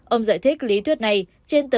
ông giải thích lý thuyết này trên tờ